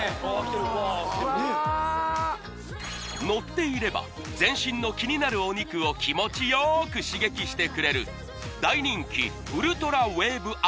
乗っていれば全身のキニナルお肉を気持ちよーく刺激してくれる大人気ウルトラウェーブ